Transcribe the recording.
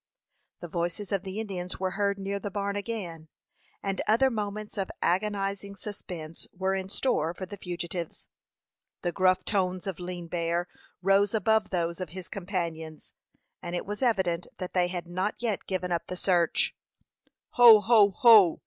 The voices of the Indians were heard near the barn again, and other moments of agonizing suspense were in store for the fugitives. The gruff tones of Lean Bear rose above those of his companions, and it was evident that they had not yet given up the search. "Ho, ho, ho!